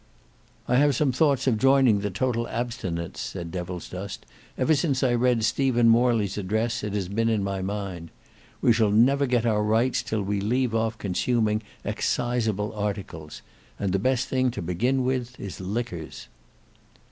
"I have some thoughts of joining the Total Abstinence," said Devilsdust; "ever since I read Stephen Morley's address it has been in my mind. We shall never get our rights till we leave off consuming exciseable articles; and the best thing to begin with is liquors."